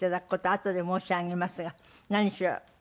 あとで申し上げますが何しろ